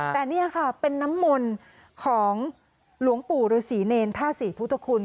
แต่นี่ค่ะเป็นน้ำมนของหลวงปู่ศรีเนรธาศิษย์พุทธคุณ